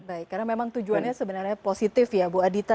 baik karena memang tujuannya sebenarnya positif ya bu adita